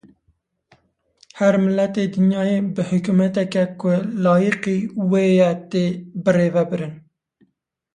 Her miletê dinyayê, bi hikûmeteke ku layiqê wê ye tê birêvebirin.